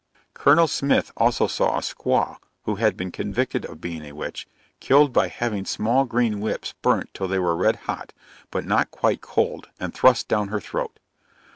Col. Smith also saw a squaw, who had been convicted of being a witch, killed by having small green whips burnt till they were red hot, but not quite coaled, and thrust down her throat.